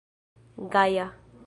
gaja